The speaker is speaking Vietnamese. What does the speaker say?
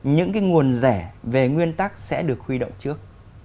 những cái nguồn rẻ về nguyên tắc sẽ được huy động trước